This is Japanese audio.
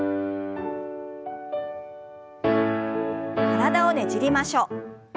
体をねじりましょう。